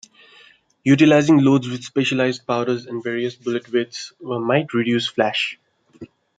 Utilizing loads with specialized powders and various bullet weights might reduce flash.